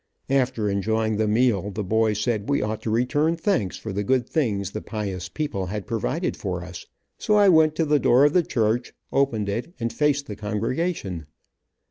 After enjoying the meal the boys said we ought to return thanks for the good things the pious people had provided for us, so I went to the door of the church, opened it, and faced the congregation.